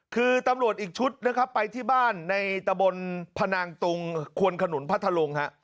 คือตำรวจอีกชุดนะครับไปที่บ้านในตะบนพนางตุงควนขนุนพัทธลุงฮะ